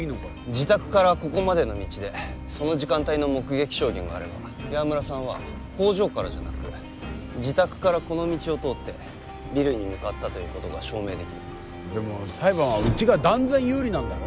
自宅からここまでの道でその時間帯の目撃証言があれば岩村さんは工場からじゃなく自宅からこの道を通ってビルに向かったということが証明できるでも裁判はうちが断然有利なんだろ？